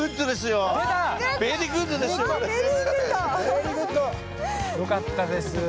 よかったです。